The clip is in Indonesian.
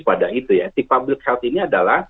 pada itu ya di public health ini adalah